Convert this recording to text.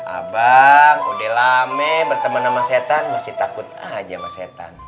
abang udah lama berteman sama setan masih takut aja sama setan